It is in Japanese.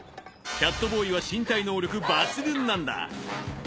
キャットボーイは身体能力抜群なんだ